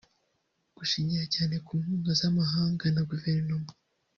Dushingira cyane ku nkunga z’amahanga na guverinoma